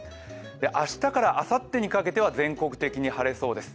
明日からあさってにかけては全国的に晴れそうです。